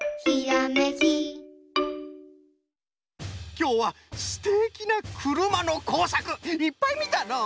きょうはすてきなくるまのこうさくいっぱいみたのう。